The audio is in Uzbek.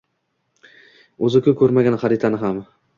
O’zi-ku ko’rmagan xaritani ham